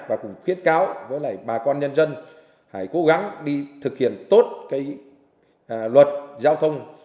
và cũng khuyết cáo với bà con nhân dân hãy cố gắng đi thực hiện tốt luật giao thông